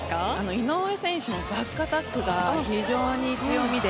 井上選手もバックアタックが非常に強みで。